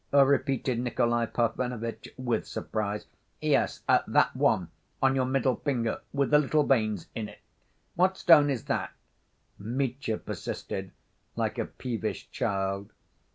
repeated Nikolay Parfenovitch with surprise. "Yes, that one ... on your middle finger, with the little veins in it, what stone is that?" Mitya persisted, like a peevish child.